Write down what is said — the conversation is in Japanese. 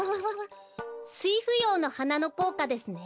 スイフヨウのはなのこうかですね。